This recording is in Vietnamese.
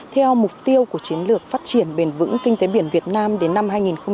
theo mục tiêu của chiến lược phát triển bền vững kinh tế biển việt nam đến năm hai nghìn ba mươi